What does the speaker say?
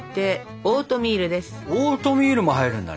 オートミールも入るんだね。